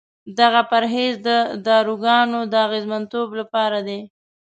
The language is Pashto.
دغه پرهیز د داروګانو د اغېزمنتوب لپاره دی.